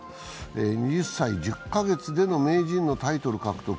２０歳１０か月での名人タイトル獲得。